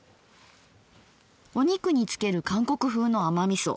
お肉に付ける韓国風の甘みそ。